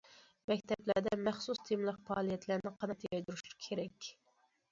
مەكتەپلەردە مەخسۇس تېمىلىق پائالىيەتلەرنى قانات يايدۇرۇش كېرەك.